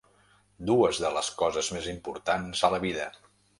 Dues de les coses més importants a la vida.